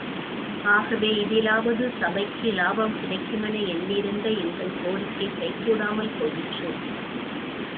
ஆகவே இதிலாவது சபைக்கு லாபம் கிடைக்குமென எண்ணியிருந்த எங்கள் கோரிக்கை கைகூடாமற் போயிற்று.